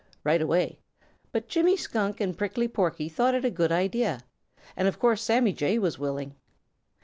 right away, but Jimmy Skunk and Prickly Porky thought it a good idea, and of course Sammy Jay was willing.